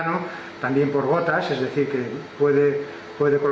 juga dengan kondisi yang dekat